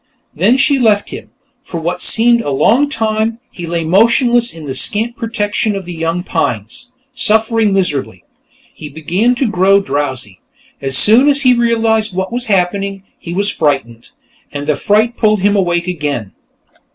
Then she left him. For what seemed a long time, he lay motionless in the scant protection of the young pines, suffering miserably. He began to grow drowsy. As soon as he realized what was happening, he was frightened, and the fright pulled him awake again.